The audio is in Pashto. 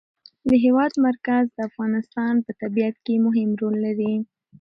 د هېواد مرکز د افغانستان په طبیعت کې مهم رول لري.